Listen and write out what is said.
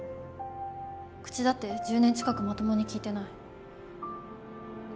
口だって１０年近くまともに利いてない。